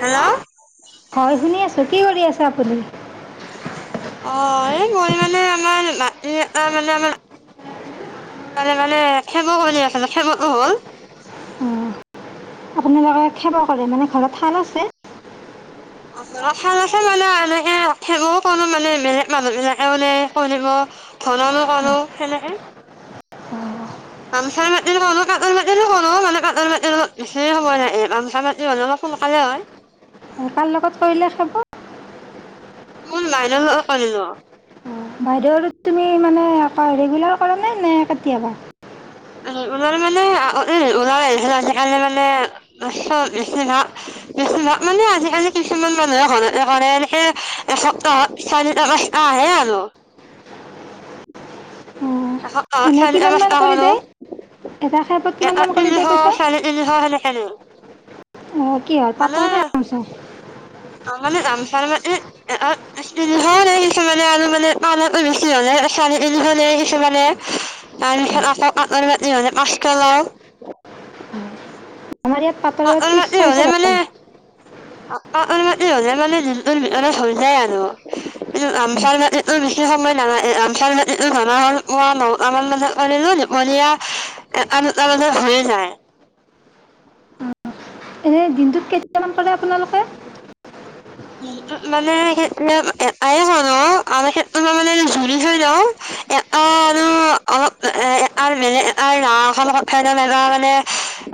Hello হয় শুনি আছোঁ কি কৰি আছে আপুনি অঁ এই মই মানে আমাৰ মাটি আমাৰ ত মানে মান মে মানে খেম হল আছে খেমক ন হ'ল অঁ আপোনালোকে খেৱ কৰে মানে ঘৰত শাল আছে নেকে মানে এনেকেও কো মানে মানুহ বিলাকেও ন ক ধননো কৰো সেনেকে আামচা মাটি কনো কাটৰ মাটি কলো মানে কাটৰ মাটিৰ অপ বেছি সময় নাহে আামচা মাটি হানলে অলপ সোনকালে হয় কাৰ লগত কৰিলে খাব কোন লাইন লগ কাৰিলো বাইদেউ তুমি মানে ৰেগুলাৰ কৰা নে নে কেতিয়াবা ওল মানে ওল আহ আজিকালি মানে ম বেিভাগ বেিভাগ মানে আজিকালি কিছুমান মানুহে ঘৰতে কৰে এনেকে এসপ্তাহত চাৰটা মটা আহে আৰু অঁ এনে কিমানমান একসপ্তাহমানৰ কৰি হলো দিয়ে এটা খেপত এ কিমানমান কৰি দিয়ে আদিনশ পইচা চাৰিদিনশ সেনেখেনে অঁ কি হল তাত আছনে ইয়াত আচ তাৰ মানে ইল হ কিছুমানে আৰু মানে পানতেচি হলে চালীল হলে কিছুমানে তাৰ পিছত আকৌ কতৰ মা হলে পা হেল্ল আমাৰ ইয়াত পাটৰ চাপৰ ত্ৰিছ মাটি ছয়শ হলে মানে লয় অকনমান এ হ'লে মানে য অলপ হৈ যায় আৰু সংমচ ন সেই সময়তমচটো জ হল ম নহ আমাৰ মাজতিলো দীপলীয়া এ তাৰ মাজ হৈৰি যায় এই দিনটোত কেতিয়ামান কৰে আপোনালোকে মানে সে ক আমি কেতত মানে জৰি থৈ লও এটা আৰু অলপ এ বেলেগ ন এ লগত থাই লওঁ এবাৰ মানে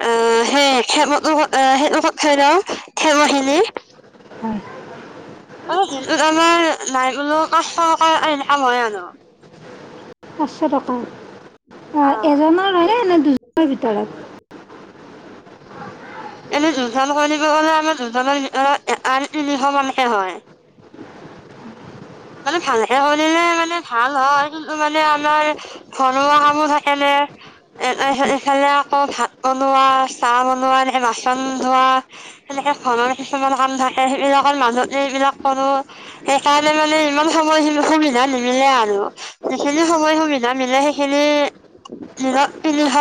অ সেই খেমটো সেইত থৈ লওঁ খেম খিনি হয় অঁ যি আমাৰ নাই বোলো কষ্ট এনে কাম হয় আৰু পচশ টকা অ এজনৰ হয়নে নে দু ভিতৰত এনেই দুজনাম কিব গলে আমাৰ দুজৰ আঢ় তিনিশ মানহে হয় মানে ভালকে কৰিলে মানে ভাল হয়, কিন্তু মানে আমাৰ ঘৰুৱা কামো থাকে নে এইফালে আকৌ ভাত বনোৱা চাহ বনোৱা এনেক বাচন ধোৱা সেনেকে ঘৰ কিছুমান কাম থাকে সেইবিলাকৰ মাজুতে এইবিলাক কৰো সেইকাৰণে মানে সমান সময় সুবিধা নিমিলে আৰু যিখিনি সময় সুবিধা মিলে সেইখিনি ধক তিনিশ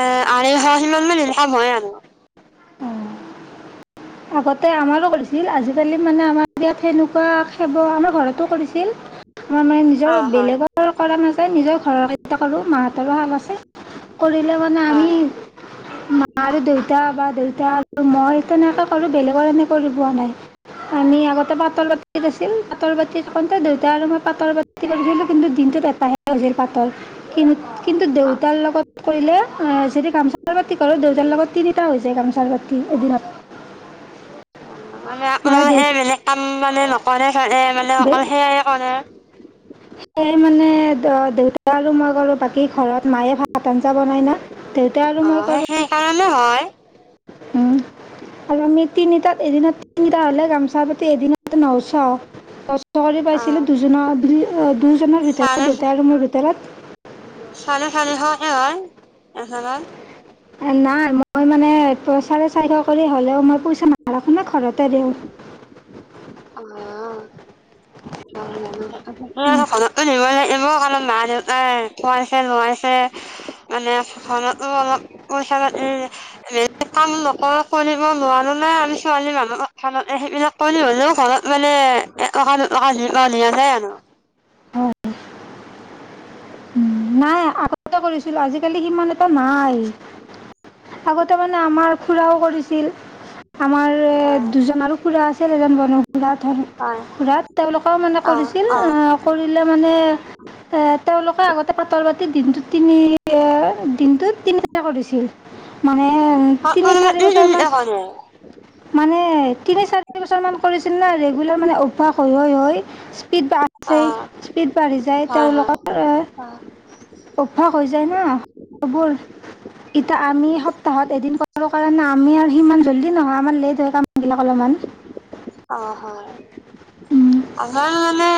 এ আঢ়ৈশ সিমান মান ইনকাম হয় আৰু আগতে আমাৰো কৰিছিল আজিকালি মানে আমাৰ ইয়াত সেনেকুৱা খাব আমাৰ ঘৰতো কৰিছিল আমাৰ মানে নিজৰ অ হয় বেলেগৰ কৰা নাযায় নিজৰ ঘৰৰ কেইটাকো মাহত তৰোহাল আছে কৰিলে মানে আমি হয় মা আৰু দেউতা বা দেউতা আৰু মই তেনেকে সৰু বেলেগৰ এনেে কৰি পোৱা নাই আমি আগতে পাটৰ বাতিত আছিল পাতৰ বাতি অকণতে দুটাই আৰু মই পাটৰ বাতি পছিলোঁ কিন্তু দিনটো বেপাহে হৈছিল পাতৰ কিন্তু [unintelligible] কিন্তু অ দেউতাৰ লগত কৰিলে এ যদি গামোচাৰ পাতি কৰো দেউতাৰ লগত তিনিটা হৈ যায় গামোচাৰ পাতি এদিনত [unintelligible] অ মানে আপোনালোকে বেলেগ কাম মানে নকৰে চাগে মানে অকল সেয়াই কৰে সেয়াই মানে দেউতা আৰু মই ক'ৰো বাকী ঘৰত মায়ে ভাত আঞ্জা বনাই না দেউতা আৰু অঁঃ সেইকাৰণে হয় উ আৰু আমি তিনিটাত এদিনত তিনিটা হলে গামোছা পাতি এদিনত নশ নশ কৰি অ পাইছিলো দুজনৰ আবৰি অ দুজনৰ ভিতৰত দেউতা আৰু মোৰ তলত চাৰি চাৰে শ কে হয় এখনত নাই মই মানে চাৰে চাৰিশ কৰি হ'লেও মই পইচা নাৰাখো নে ঘৰত [unintelligible] পাৰিম অঁ হয় মানে কতো নিবে [unintelligible] এবোৰ কাৰণ মা দেউতাই খোৱাইছে নোৱাইছে মানেখনতো অলপ পইচা পাতি হে কাম নক কৰিব নোৱাৰোঁ নে আমি ছোৱালী মানুহখনতে সেইবিলাক কৰি হ'লেও [unintelligible] ঘৰত মানে এটকা দুটকা যি পায় দিয়া হয় আৰু হয় নাই আকৌ এ কৰিছো আজিকালি কিমান এটা নাই আগতে মানে আমাৰ খুৰাও কৰিছিল আমাৰ হয় দুজন আৰু খুৰা আছিল এজন ব খুৰা হয় খুৰাত তেওঁলোকেও মানে অ কৰিছিল অ কৰিলে মানে তেওঁলোক হয় পাতৰ বাতি দিনটো তিনি দিনটো তিনিটা কৰিছিল মানে অ তিনি ম য [unintelligible] চাৰি বছৰমান মানে তিনি চাৰি বছৰমান কৰিছিল ন ৰেগুলাৰ মানে অভ্যাস হৈ হৈ হৈ স্পীড অ বাঢ়ছে স্পীড বাঢ়ি যায় হয় হয় তেওঁলোকৰ অ অভ্যাস হৈ যায় ন এবোৰ এতিয়া আমি সপ্তাহত এদিন কৰো কাৰণে আমি আৰু সিমান জল্দি নহয় আমাৰ লেট হৈ ক [unintelligible] বিলাক অলপমান অ হয় আমাৰ গলে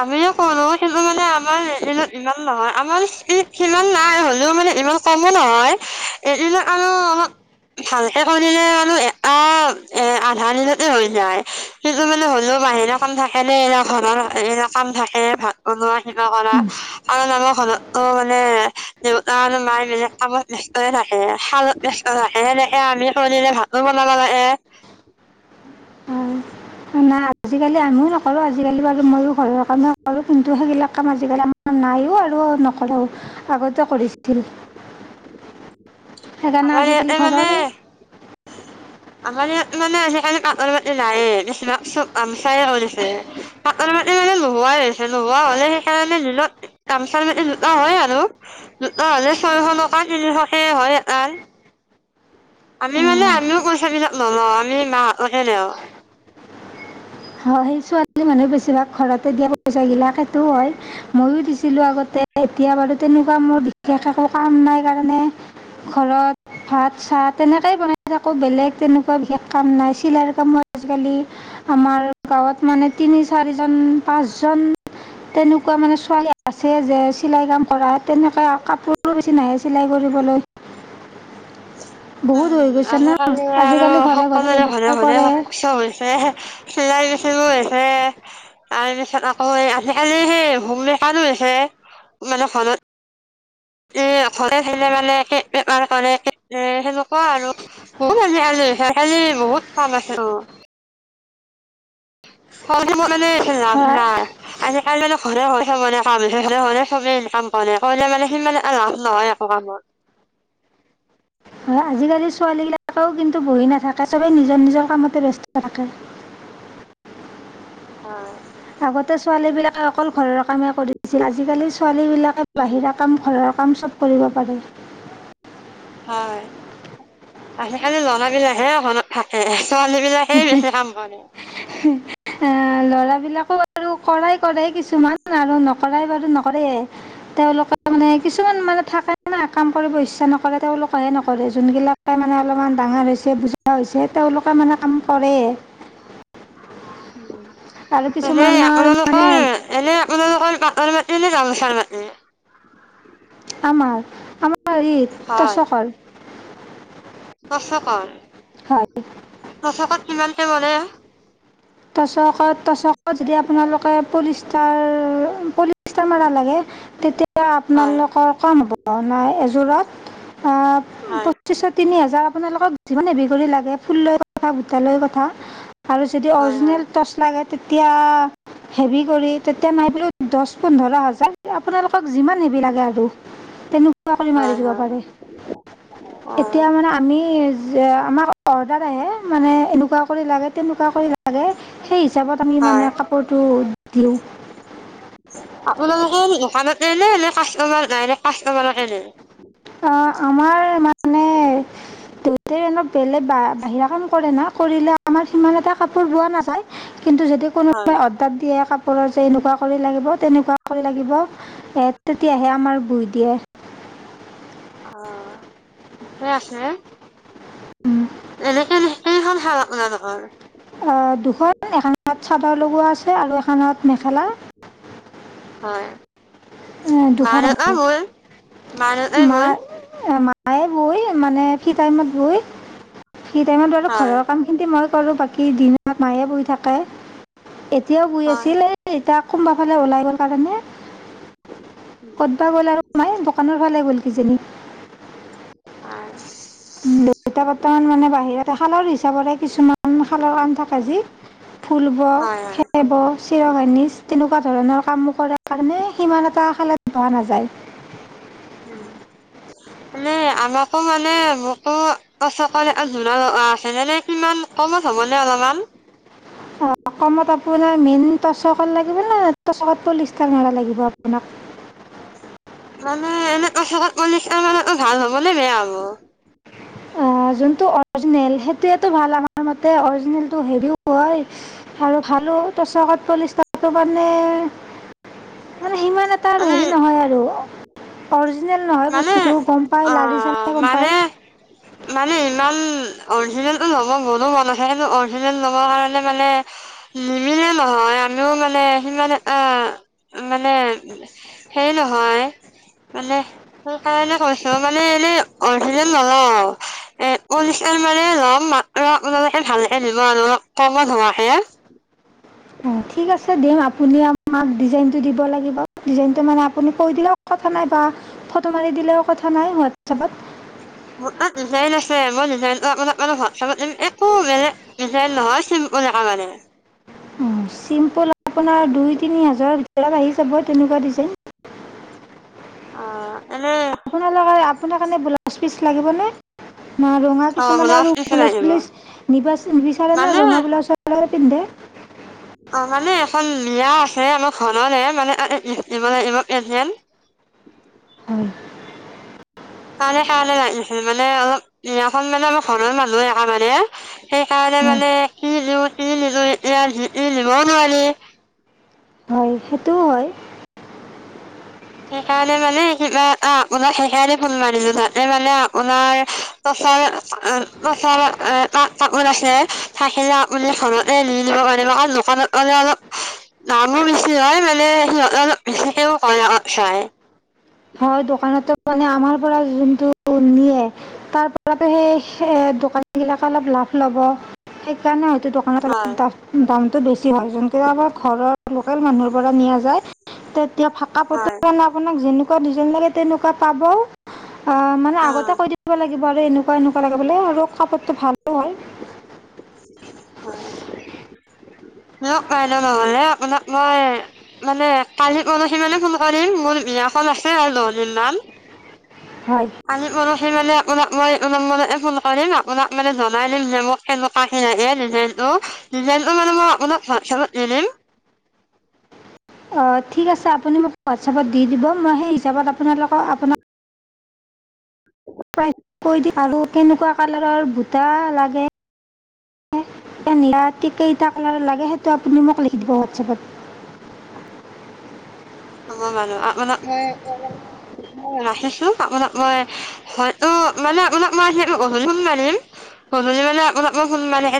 আমি যে কনো সেইটো মানে আমাৰ এদিনত ইমান নহয় আমাৰ সিমান নাই হ'লেও মানে ইমান কমো নহয় এদিনত আৰু অপ ভালকে কৰিলে ম এটা এ আধা দিনতে হৈ সন্তু মানে হলেও মাহি কাম থাকে নে এ ঘৰৰ ম কাম থাকে ভাত বনোৱা কিবা কৰা কাৰণ আমাৰ ঘৰতো মানে দেউতা আৰু মায় মানে কামত ব্যস্তয় থাকে শালত ব্যস্ত থাকে সেনেকে আমি কৰিে ভাতো বনাব লাগে [unintelligible] [inaudible] না আজিকালি আমিও নকৰোঁ। আজিকালি বাৰু মইয়ো ঘৰৰ কামে কৰোঁ। কিন্তু সেইবিলাক কাম আজিকালি আমাৰ নাইয়ো আৰু নকৰো আগতে কৰিছিল। সেইকাৰনে আমাৰ ইয়াতে আজিকালি ঘৰৰে আমাৰ ইয়াত মানে আজিকালি কাটৰ মাটি নাইয়ে। বেছিভাগ চব গামচাই কৰিছে কাটৰ মাটি মানে নোহোৱাই হৈছে নোহোৱা হলে সেইকাৰণে নিলত গামচা মাটি লোটা হয় আৰু লোটা হ'লে ছয়শ নকা তিনিশকে হয় [unintelligible] আমি মানে আমিও পইচাবিলাক নলও আমি মাহত হে লও হয় সেই ছোৱালী মানুহে বেছিভাগ ঘৰতে দিয়া পইচা বিলাকেতো হয় মইয়ো দিছিলোঁ আগতে এতিয়া বাৰু তেনেকুৱা মোৰ বিশেষ একো কাম নাই কাৰণে ঘৰত ভাত চাহ তেনেকাই বনাই থাকো। বেলেগ তেনেকুৱা বিশেষ কাম নাই চিলাই কামো আজিকালি আমাৰ গাঁৱত মানে তিনি চাৰিজন পাঁচজন তেনেকুৱা মানে ছোৱালী আছে যে চিলাই কাম কৰা তেনেকৈ কাপোৰো বেছি নাহে চিলাই কৰিবলৈ। বহুত হৈ উম গৈছে ন আজি কালি আৰু আজিকালি ঘৰে সকলোৰে ঘৰে ব্যৱসায় ঘৰে [unintelligible] কৰে হৈছে চিলাই বেচিবই তাৰপিছত আকৌ এই আজিকালি সেই হোমলেকানো লৈছে মানে খনত এ খৰে থাকিলে মানে কে বেমাৰ কৰে কে সেনেকুৱা আৰু বহুত আজিকালি বহুত কাম আছে ত ফালগিব মানে লাভ নাই আজি কালি মান ঘৰে হয় চ মেনে কাম হয়নে চবে ইনকাম কৰে কৰিলে মানে সিমানে এলাভ নহয় একো কামত হয় আজিকালি ছোৱালীবিলাকেও কিন্তু বহি নাথাকে চবেই নিজৰ নিজৰ কামতে ব্যস্ত থাকে। অ আগতে ছোৱালী বিলাকে অকল ঘৰৰ কামে কৰিছিল আজিকালি ছোৱা- লী বিলাকে উম বাহিৰা কাম ঘৰৰ কাম চব- কৰিব পাৰে। হয় আজি কালি ল'ৰা বিলাকহে হনত থাকে ছোৱালী বিলাকে বেছি কাম কৰে ল'ৰা বিলাকো আৰু কৰাই কৰে কিছুমান আৰু নকৰাই বাৰু নকৰে তেওঁলোকে মানে কিছুমান মানে থাকে কাম কৰিব ইচ্ছা নকৰে তেওঁলোকে ভয় নকৰে যোনবিলাকে মানে অলপমান ডাঙৰ হৈছে যে বুজা হৈছে তেওঁলোকে মানে কাম কৰে আৰু উম এনে কিছুমানৰ মানে আপোনালোকৰ এনেই আপোনালোকৰ পাটৰ মাটি নে গামোচাৰ মাটি আমাৰ আমাৰ হেৰি তচকৰ তচকৰ হয় তচকত কিমানকে পৰে তচকত তচকত যদি আপোনালোকে পলিষ্টাৰ তেতিয়া মাৰা লাগে তেতিয়া হয় আপোনালোকৰ কম হ'ব ন এজো- জোৰত অ হয় পঁচিছ তিনি হাজাৰ আপোনালোকক যিমান বেগলি লাগে ফুলৰ কথা বোৰ তালৈ কথা আৰু যেতিয়া হয় হয় অৰিজিনেল টচ লাগে তেতিয়া হেভি কৰি তেতিয়া নাই বুলিও দহ পোন্ধৰ হাজাৰ আপোনালাক অ যিমান হেভি লাগে আৰু তেনেকোৱা কৰি মাৰি হয়, দিব হয়, পাৰে এতিয়া অ', মানে আমি যে আমাক অ এইবিলাক আহে মানে এনেকোৱা কৰি লাগে তেনেকোৱা কৰি লাগে লাগে সেই হিচাপত মানে হয়। আমি কাপোৰ টো দিও এনে এনে কাষ্টমাৰ ডাইৰেক্টৰ কাষ্টমাৰকে দিও অ আমাৰ মানে দেউতাই অলপ বেলেগ বাহিৰা কাম কৰে না কৰিলে আমাৰ সিমান এটা কাপোৰ বোৱা নাযায় কিন্তু যদি হয়, কোনোবাই অৰ্ডাৰ দিয়ে কাপোৰ ওপৰত যে এনেকোৱা কৰি লাগিব তেনেকোৱা কৰি লাগিব তেতিয়াহে আমাৰ বই দিয়ে অ ফ্ৰেছ আছে উম, এনেকে নে কেইখন শাল আপোনালোকৰ অ দুখন এখনত চাদৰ লগোৱা আছে আৰু এখনত মেখেলা হয় দুখন মা-দেউতা এখন মোৰ, মা-দেউতাই মা মোৰ, এ মা মায়ে বই মানে ফ্ৰী টাইমত বই সেই টাইমত বাৰু হয়, ঘৰৰ কামখিনি মই কৰো বাকী দিনত মায়ে বৈ থাকে এতিয়াও বয় হয়। আছিল এই এতিয়াক কোনোবা ফালে ওলাই গ'ল কাৰণে ক'ত বা গ'ল আৰু মাই এই দোকানৰ ফালে গ'ল কিজানি হয় উম দেউতা বৰ্তমান মানে বাহিৰত শালৰ হিচাপৰে কিছুমান আন শালৰ কাম থাকে যি ফুলব হয়, হয়, খেব চিৰগইনিজ তেনেকোৱা ধৰণৰ কাম কৰাৰ কাৰণে সিমান এটা শালত বহা নাযায় উম এনে আমাকো মানে মোকো তচ কতন জোৰা এযোৰ লাগে আছে নে নাই কিমান কমত হ'বনে অলপমান অ কমত আ পোনাৰ মেইন তচকত লাগিব না তচকত পলিষ্টাৰ মৰা লাগিব আপোনাক মানে এনে তচকত পলিষ্টাৰ কৰাটো ভাল হ'বনে বেয়া হ'ব আহ যোনটো অৰিজিনেল সেইটোৱেটো ভাল আমাৰ মতে অৰিজিনেলটো হেবিও হয় আৰু ভালো তচকত পলিষ্টাৰটো মানে মানে সিমান এটা আৰু মানে, হেৰি নহয় আৰু অৰজিনেল নহয় মানে বস্তুটো গম পায় লাৰি অ', চালে গম মানে পায় মানে ইমান অৰিজিনেলটো ল'ব মোৰো মন আছে কিন্তু অৰিজিনেল ল'ব কাৰণে মানে নিমিলে নহয় আমিও মানে সিমান এটা মানে হেৰি নহয় মানে সেই কাৰণে কৈছো মানে এনে অৰিজিনেল নলওঁ এ পলিষ্টাৰ পালে লোম মাত্ৰ আপোনালোকে ভালকে দিব আৰু কমত হোৱাকে [unintelligible] [inaudible] অঁ ঠিক আছে দিম আপুনি আমাক ডিজাইনটো দিব লাগিব ডিজাইনটো মানে আপুনি কৈ দিলেও কথা নাই বা ফটো মাৰি দিলেও কথা নাই হোৱাটছএপত মোৰ তাত ডিজাইন আছে মই ডিজাইনটো আপোনাৰ তাতে হোৱাটছএপত দিম একো বেলেগ ডিজাইন নহয় চিম্পুল একেবাৰে উম চিম্পুল আপোনাৰ দুই তিনি হাজাৰ অলপ আহি যাব তেনেকুৱা ডিজাইন আহ আপোনালোকে আপোনাৰ কাৰণে ব্লাউজ পিচ লাগিবনে না ৰঙা অ কিছুমানে আৰু পিচ ওলাই ব্লাউজ দিব পিচ নিব নিবিচাৰে না মানে ৰঙা ব্লাউজৰ লগতে পিন্ধে এই আমাৰ ঘৰৰে মানে এ এই ই [unintelligible] যেন হয় তাৰে কাৰণে লাগিছিল মানে অলপ বিয়াখন মানে আমাৰ ঘৰৰ মানুহে আহা মানে সেইকাৰণে মানে কি দিউ কি নিদিউ এতিয়া যি টি দিবও নোৱাৰি হয় সেইটোও হয় সেইকাৰণে মানে কিবা এটা আপোনাক সেইকাৰণে ফোন মাৰিলো তাতে মানে আপোনাৰ পইচাৰ পইচাৰ অহ তা তাকত আছে থাকিলে আপুনি ঘৰতে দি দিব কাৰণে অ দোকানত মানে অলপ দামো বেছি হয় মানে সিহঁত অলপ বেছিকেও কৈ [unintelligible] হয় দোকানতো মানে আমাৰ পৰা যোনটো নিয়ে তাৰ পৰাতো সেই সে দোকানী বিলাকে অলপ লাভ ল'ব সেইকাৰণে হয়তো দোকানত অলপ হয় দা দামটো বেছি হয় যোনটোৱে আমাৰ ঘৰৰ লোকেল মানুহৰ পৰা নিয়া যায় ত'ত এতিয়া ফাটা ফটি কাপোৰটো হয় মানে আপোনাক যেনে কুৱা ডিজাইন লাগে তেনেকুৱা পাব অ মানে অ আগতে কৈ দিব লাগে বাৰ এনেকুৱা এনেকুৱা লাগে বোলে আৰু কাপোৰটো ভালো হয় দিয়কন নহ'লে আপোনাক মই মানে কালি পৰসি মানে ফোন কৰিম মোৰ বিয়াখন আছে আৰু লহনীৰ নাম হয় [unintelligible] কালি পৰসি মানে আপোনাক মই অলপ মানে ফোন কৰিম আপোনাক মানে জনাই দিম যে মোক কেনেকুৱা কি লাগে ডিজাইনটো ডিজাইনটো মানে মই আপোনাক হোৱাটছএপত দি দিম অঁ ঠিক আছে আপুনি মোক হোৱাটছএপত দি দিব মই সেই হিচাপত আপোনালোকক আপোনাক হয় কৈ দি আৰু কেনেকুৱা কালাৰৰ দুটা লাগে নে নীলা কি কেইটা কালাৰ লাগে সেইটো আপুনি মোক লিখি দিব হোৱাটছপত [unintelligible] অ মানু আপোনাক মই ৰাখিছো আপোনাক মই হয়তো মানে আপোনাক মই স গধলি ফোন মাৰিম গধলি মানে আপোনাক মই ফোন মাৰি [unintelligible]